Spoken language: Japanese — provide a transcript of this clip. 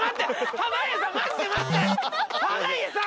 濱家さん